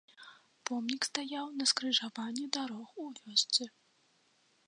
Помнік стаяў на скрыжаванні дарог у вёсцы.